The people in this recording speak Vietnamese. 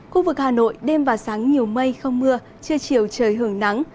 khu vực hà nội đêm và sáng nhiều mây không mưa trưa chiều trời hưởng nắng